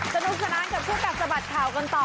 สนุกสนานกับคู่กัดสะบัดข่าวกันต่อ